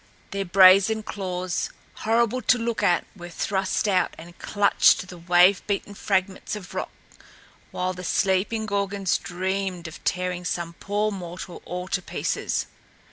Their brazen claws, horrible to look at, were thrust out and clutched the wave beaten fragments of rock, while the sleeping Gorgons dreamed of tearing some poor mortal all to pieces.